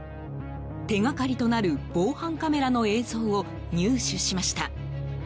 手掛かりとなる防犯カメラの映像を入手しました。